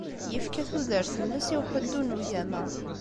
Yefka tudert-nnes i uḥuddu n ugama.